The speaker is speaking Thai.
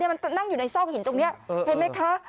มันนั่งอยู่ในซอกหินตรงนี้เห็นไหมคะ